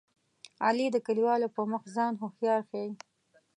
علي د کلیوالو په مخ ځان هوښیار ښيي.